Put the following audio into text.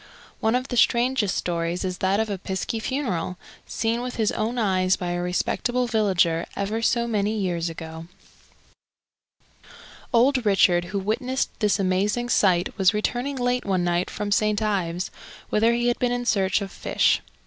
One of the strangest stories is that of a piskie funeral, seen with his own eyes by a respectable villager ever so many years ago. Old Richard, who witnessed this amazing sight, was returning late one night from St. Ives, whither he had been in search of fish.